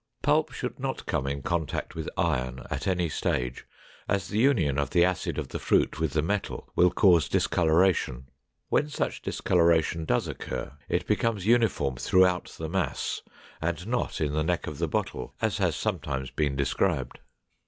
Pulp should not come in contact with iron at any stage, as the union of the acid of the fruit with the metal will cause discoloration. When such discoloration does occur, it becomes uniform throughout the mass, and not in the neck of the bottle as has sometimes been described.